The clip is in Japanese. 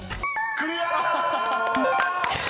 ［クリア！］